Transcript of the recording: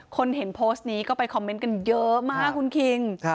คนเห็นโพสต์นี้ก็ไปคอมเมนต์กันเยอะมากคุณคิง